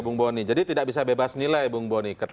bung boni jadi tidak bisa bebas nilai bung boni